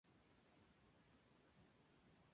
El coste de la armada fueron maravedíes.